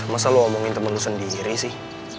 masa lo omongin temen sendiri sih